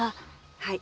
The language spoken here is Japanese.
はい。